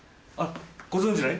ご存じない？